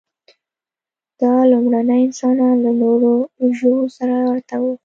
دا لومړني انسانان له نورو ژوو سره ورته وو.